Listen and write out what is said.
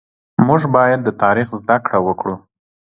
مونږ بايد د تاريخ زده کړه وکړو